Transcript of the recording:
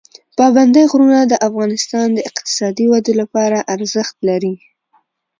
پابندی غرونه د افغانستان د اقتصادي ودې لپاره ارزښت لري.